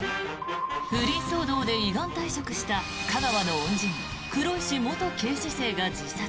不倫騒動で依願退職した架川の恩人黒石元警視正が自殺。